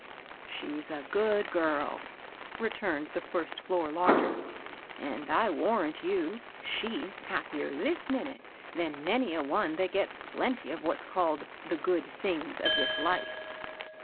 "She's a good girl," returned the first floor lodger, "and I warrant you she's happier this minute than many a one that gets plenty of what's called the good things of this life."